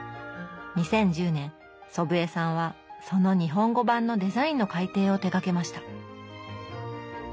２０１０年祖父江さんはその日本語版のデザインの改訂を手がけました。